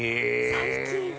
最近。